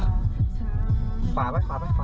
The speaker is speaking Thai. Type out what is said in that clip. หนีไปได้ป่ะหนีไปได้ป่ะ